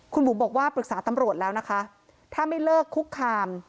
คุณบุ๋มบอกว่าปรึกษาตำรวจแล้วนะคะถ้าไม่เลิกคุกคาม